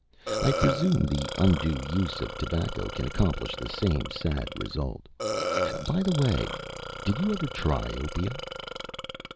I presume the undue use of tobacco can accomplish the same sad result. By the way, did you ever try opium?"